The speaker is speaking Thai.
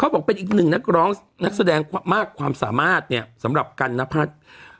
บอกเป็นอีกหนึ่งนักร้องนักแสดงมากความสามารถเนี่ยสำหรับกันนพัฒน์